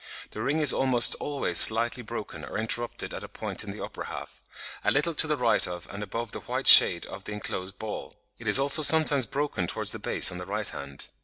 The ring is almost always slightly broken or interrupted (Fig. 57) at a point in the upper half, a little to the right of and above the white shade on the enclosed ball; it is also sometimes broken towards the base on the right hand.